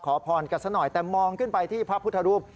ขอพรกันซะหน่อยแต่มองขึ้นไปที่พระพุทธรูป